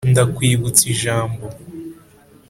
Ndakwibutsa ijambo